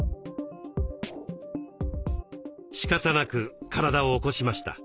しかたなく体を起こしました。